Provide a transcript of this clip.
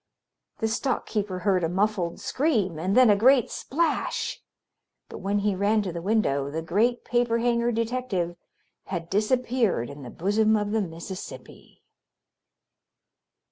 The stock keeper heard a muffled scream and then a great splash, but when he ran to the window, the great paper hanger detective had disappeared in the bosom of the Mississippi.